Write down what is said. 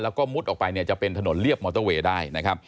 แล้วก็มุดออกไปจะเป็นถนนเรียบมอเตอร์เวย์ได้